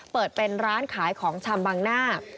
เปิดเป็นร้านขายของชำบังหน้า